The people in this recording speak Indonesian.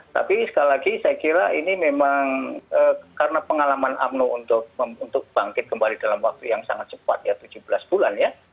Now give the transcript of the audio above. tapi sekali lagi saya kira ini memang karena pengalaman umno untuk bangkit kembali dalam waktu yang sangat cepat ya tujuh belas bulan ya